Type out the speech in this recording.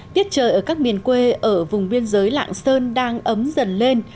tiết trời ở các miền quê ở vùng biên giới lạng sơn đang ấm dần lên